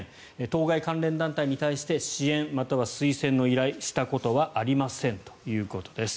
当該関連団体に対して支援、または推薦の依頼をしたことはありませんということです。